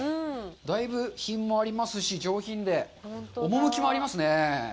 だいぶ品もありますし、上品で、趣もありますね。